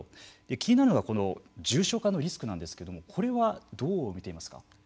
気になるのが重症化のリスクなんですけれどもこれはどう見ていますか。